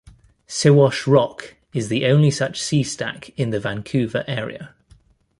Siwash Rock is the only such sea stack in the Vancouver area.